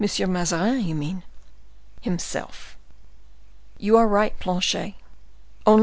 Mazarin you mean?" "Himself." "You are right, Planchet; only M.